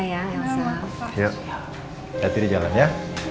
yuk hati hati di jalan ya